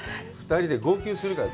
２人で号泣するから。